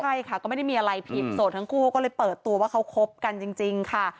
ใช่ค่ะก็ไม่ได้มีอะไรผิดโสดทั้งคู่เขาก็เลยเปิดตัวว่าเขาคบกันจริงค่ะ